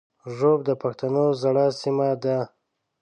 ږوب د پښتنو زړه سیمه ده